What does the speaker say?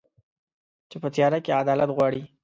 چي په تیاره کي عدالت غواړي